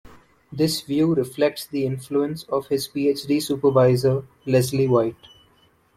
This view reflects the influence of his Ph.D supervisor, Leslie White.